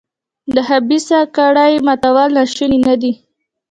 د خبیثه کړۍ ماتول ناشوني نه دي.